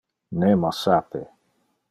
Nemo sape.